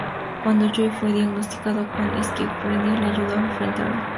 Cuando Joey fue diagnosticado con esquizofrenia, lo ayudó a enfrentarlo.